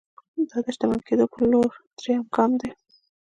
دا د شتمن کېدو پر لور درېيم ګام دی.